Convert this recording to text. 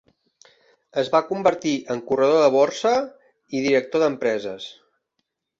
Es va convertir en corredor de borsa i director d'empreses.